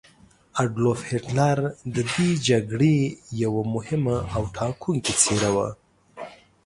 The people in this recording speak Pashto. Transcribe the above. اډولف هیټلر د دې جګړې یوه مهمه او ټاکونکې څیره وه.